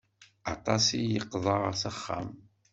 Aṭas i d-iqḍa s axxam.